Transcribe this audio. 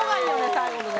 最後のね。